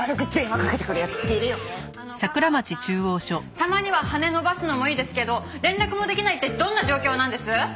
たまには羽伸ばすのもいいですけど連絡もできないってどんな状況なんです？